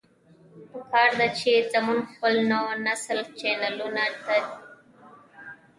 پکار ده چې مونږ خپل نوے نسل دې چيلنجونو ته